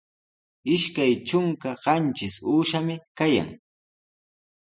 Ishkay trunka qanchis uushami kayan.